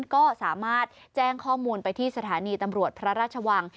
ก็สามารถแจ้งข้อมูลไปที่สถานีตำรวจพระราชวัง